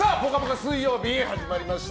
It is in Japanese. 水曜日始まりました。